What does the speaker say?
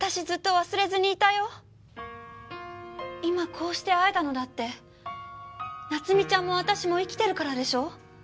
今こうして会えたのだって菜津美ちゃんも私も生きてるからでしょ？